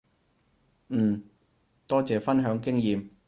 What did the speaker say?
嗯，多謝分享經驗